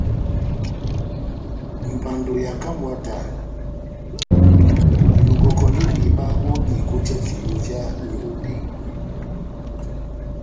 Mbando ya Camwater enɔngɔkɔndi mihiba ó diko já viyó vyá Lobe.